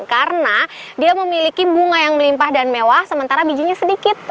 karena dia memiliki bunga yang melimpah dan mewah sementara bijinya sedikit